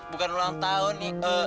bukan ulang tahun